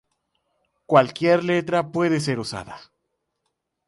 Cualquier letra puede ser usada.